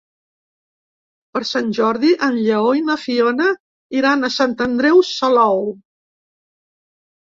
Per Sant Jordi en Lleó i na Fiona iran a Sant Andreu Salou.